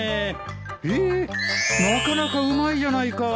へえなかなかうまいじゃないか。